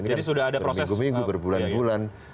ini kan minggu minggu berbulan bulan